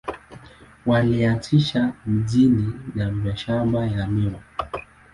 Walianzisha miji na mashamba ya miwa.